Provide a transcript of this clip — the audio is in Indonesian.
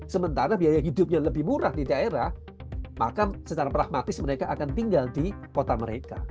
sementara biaya hidupnya lebih murah di daerah maka secara pragmatis mereka akan tinggal di kota mereka